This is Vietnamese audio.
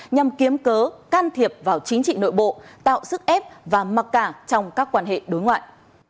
nhằm kiếm cớ can thiệp vào chính trị nội bộ tạo sức ép và mặc cả trong các quan hệ đối ngoại